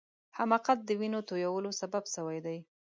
حماقت د وینو تویولو سبب سوی دی.